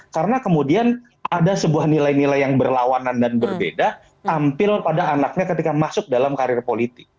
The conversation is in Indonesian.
karena kemudian ada sebuah nilai nilai yang berlawanan dan berbeda hampir pada anaknya ketika masuk dalam karir politik